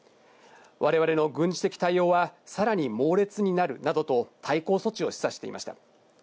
我々の軍事的対応はさらに猛烈になるなどと対抗措置を示唆していました。